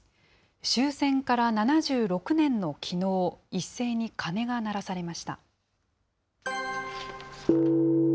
終戦から７６年のきのう、一斉に鐘が鳴らされました。